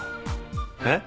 えっ？